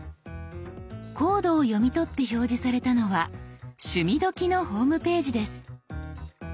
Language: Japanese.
コードを読み取って表示されたのは「趣味どきっ！」のホームページです。